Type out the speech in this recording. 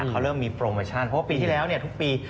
เขาเริ่มมีโปรโมชั่นเพราะว่าปีที่แล้วทุกปี